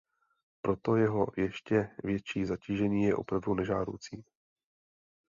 Proto jeho ještě větší zatížení je opravdu nežádoucí.